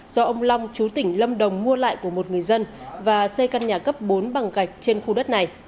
do ông long chú tỉnh lâm đồng mua lại của một người dân và xây căn nhà cấp bốn bằng gạch trên khu đất này